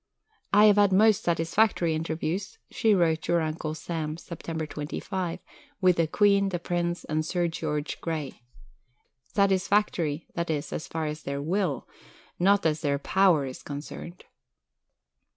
"I have had most satisfactory interviews," she wrote to her Uncle Sam (Sept. 25), "with the Queen, the Prince, and Sir George Grey. Satisfactory, that is, as far as their will, not as their power is concerned."